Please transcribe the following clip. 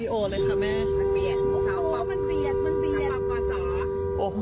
ไม่อยากถ่ายวีดีโอเลยค่ะแม่